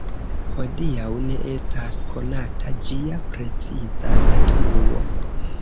Hodiaŭ ne estas konata ĝia preciza situo.